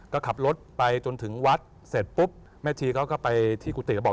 ก็ขับรถไปจนถึงวัดเสร็จปุ๊บแม่ชีเขาก็ไปที่กุฏิก็บอก